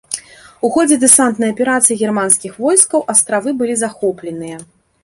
У ходзе дэсантнай аперацыі германскіх войскаў астравы былі захопленыя.